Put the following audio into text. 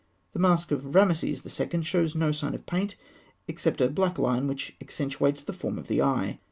The mask of Rameses II. shows no sign of paint, except a black line which accentuates the form of the eye.